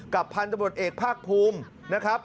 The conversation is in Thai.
พันธบทเอกภาคภูมินะครับ